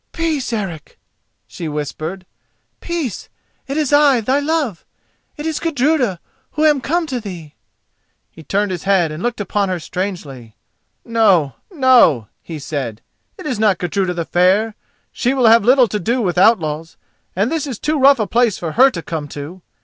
"Peace, Eric!" she whispered. "Peace! It is I, thy love. It is Gudruda, who am come to thee." He turned his head and looked upon her strangely. "No, no," he said, "it is not Gudruda the Fair. She will have little to do with outlaws, and this is too rough a place for her to come to.